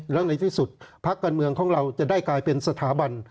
แล้วในที่สุดพักการเมืองของเราจะได้กลายเป็นสถาบัน